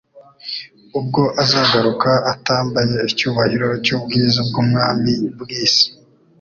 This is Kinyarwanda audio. ubwo azagaruka atambaye icyubahiro cy'ubwiza bw'ubwami bw'isi,